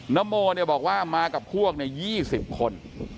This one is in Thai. นโมบอกว่ามากับพวก๒๐คน